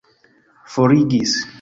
forigis